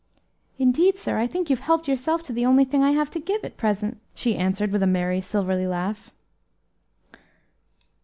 "Indeed, sir, I think you've helped yourself to the only thing I have to give at present," she answered with a merry silvery laugh.